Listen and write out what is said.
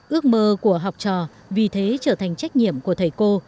ước mơ của học trò vì thế trở thành trách nhiệm của thầy cô